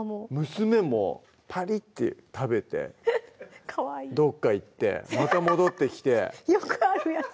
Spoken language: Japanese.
娘もパリッて食べてどっか行ってまた戻ってきてよくあるやつ